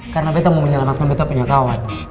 karena betta mau menyelamatkan betta punya kawan